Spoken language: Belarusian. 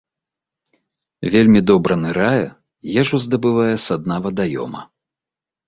Вельмі добра нырае, ежу здабывае са дна вадаёма.